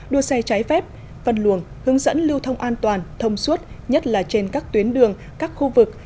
đua xe trái phép văn luồng hướng dẫn lưu thông an toàn thông suốt nhất là trên các tuyến đường các khu vực